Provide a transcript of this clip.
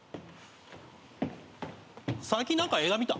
最近何か映画見た？